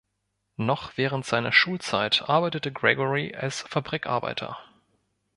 Noch während seiner Schulzeit arbeitete Gregory als Fabrikarbeiter.